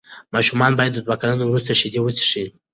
ماشومان باید د دوه کلنۍ وروسته شیدې وڅښي.